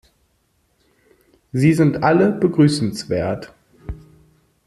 Sie sind alle begrüßenswert.